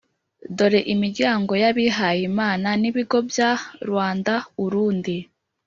Dore imiryango y abihayimana n ibigo bya Ruanda Urundi